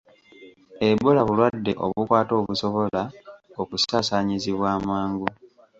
Ebola bulwadde obukwata obusobola okusaasaanyizibwa amangu.